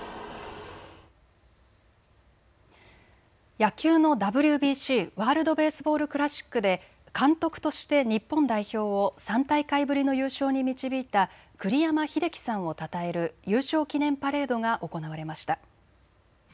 野球のＷＢＣ・ワールド・ベースボール・クラシックで監督として日本代表を３大会ぶりの優勝に導いた栗山英樹さんをたたえる優勝記念パレードが行われました。